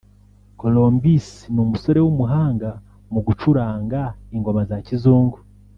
Colombus ni umusore w’umuhanga mu gucuranga ingoma za kizungu